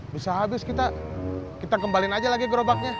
bisa habis kita kita kembalin aja lagi gerobaknya